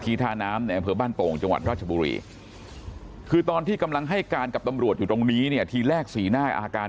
ท่าน้ำในอำเภอบ้านโป่งจังหวัดราชบุรีคือตอนที่กำลังให้การกับตำรวจอยู่ตรงนี้เนี่ยทีแรกสีหน้าอาการ